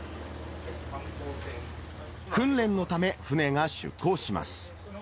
訓練のため、船が出港します。